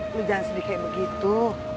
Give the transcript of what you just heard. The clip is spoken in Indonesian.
lu jangan sedih kayak begitu